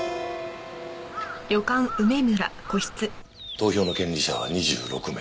投票の権利者は２６名。